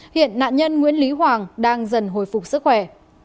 hiện nạn nhân nguyễn lý hoàng đang dần hồi phục sức khỏe